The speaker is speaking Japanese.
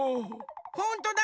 ほんとだ！